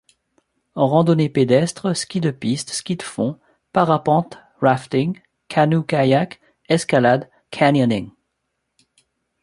Randonnées pédestres, ski de piste, ski de fond, parapente, rafting, canoë-kayak, escalade, canyoning.